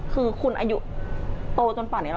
คือคุณอายุโตจนป่านนี้